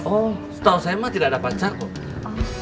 oh setahu saya mah tidak ada pacar kok